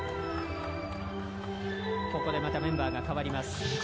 ここでメンバーが代わります。